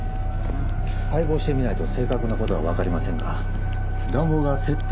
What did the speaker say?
解剖してみないと正確なことは分かりませんが暖房が設定